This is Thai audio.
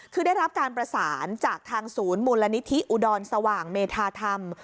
คือได้รับการประสานจากทางศูนย์มูลนิธิอุดรสว่างเมธาธรรม